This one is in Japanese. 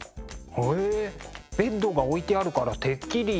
へえベッドが置いてあるからてっきり。